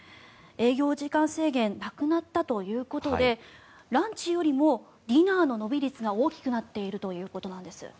営業時間制限がなくなったということでランチよりもディナーの伸び率が大きくなっているということです。